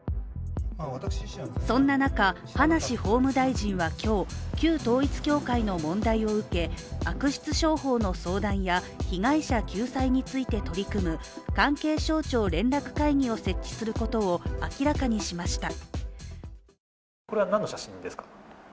そんな中、葉梨法務大臣は今日旧統一教会の問題を受け悪質商法の相談や被害者救済について取り組む関係省庁連絡会議を設置することを明らかにしました。